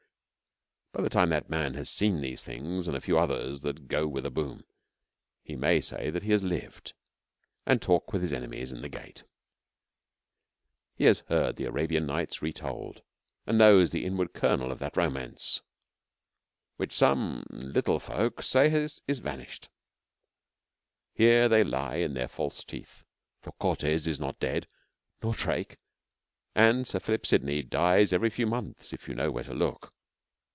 By the time that man has seen these things and a few others that go with a boom he may say that he has lived, and talk with his enemies in the gate. He has heard the Arabian Nights retold and knows the inward kernel of that romance, which some? little folk say is vanished. Here they lie in their false teeth, for Cortes is not dead, nor Drake, and Sir Philip Sidney dies every few months if you know where to look.